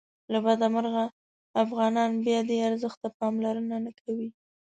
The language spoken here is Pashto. له بده مرغه افغانان بیا دې ارزښت ته پاملرنه نه کوي.